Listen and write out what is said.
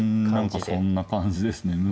何かそんな感じですね